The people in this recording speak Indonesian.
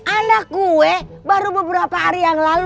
anak gue baru beberapa hari yang lalu